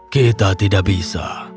kita tidak bisa